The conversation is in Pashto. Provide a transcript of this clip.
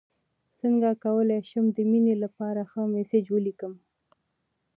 څنګه کولی شم د مینې لپاره ښه میسج ولیکم